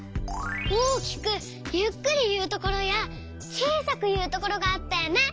大きくゆっくりいうところやちいさくいうところがあったよね。